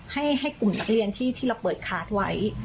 ให้กลุ่มนักเรียนที่เราเปิดคาร์ดไว้